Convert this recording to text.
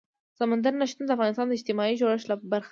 سمندر نه شتون د افغانستان د اجتماعي جوړښت برخه ده.